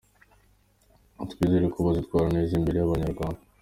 Reka twizere ko bazitwara neza imbere y’abanyarwanda.